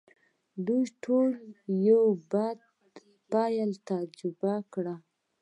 دوی ټولو یو بد پیل تجربه کړی دی